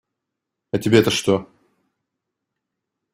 А тебе-то что?